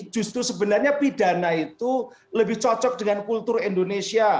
justru sebenarnya pidana itu lebih cocok dengan kultur indonesia